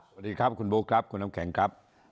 สวัสดีครับคุณบุ๊คครับคุณน้ำแข็งครับ